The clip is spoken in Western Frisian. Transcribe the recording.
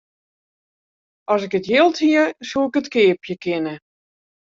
As ik jild hie, soe ik it keapje kinne.